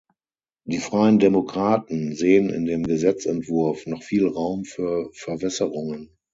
Die freien Demokraten sehen in dem Gesetzesentwurf noch viel Raum für Verwässerungen.